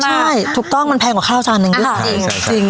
ใช่ถูกต้องมันแพงกว่าข้าวจานนึงจริง